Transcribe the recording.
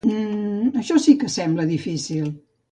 Mmm, això sí que sembla difícil.